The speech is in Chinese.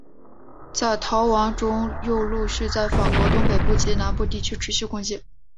在逃亡途中又陆续在法国东北部及南部地区持续攻击。